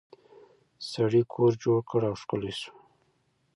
سړي کور جوړ کړ او ښکلی شو.